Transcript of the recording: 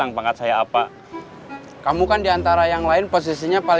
aku tau tau padahal